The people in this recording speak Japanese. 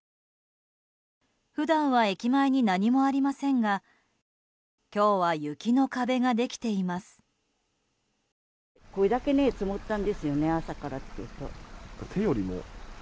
普段は駅前に何もありませんが今日は雪の壁ができています。